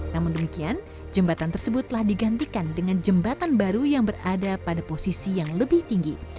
namun demikian jembatan tersebut telah digantikan dengan jembatan baru yang berada pada posisi yang lebih tinggi